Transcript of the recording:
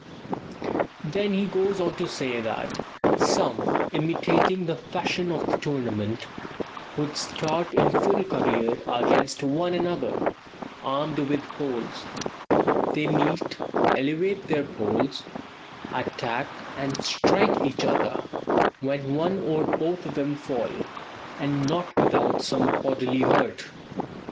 Then he goes on to say that some, imitating the fashion of the tournament, would start in full career against one another, armed with poles; "they meet, elevate their poles, attack and strike each other, when one or both of them fall, and not without some bodily hurt."